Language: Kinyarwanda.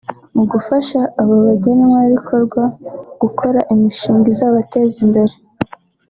Mu gufasha aba bagenerwabikorwa gukora imishinga izabateza imbere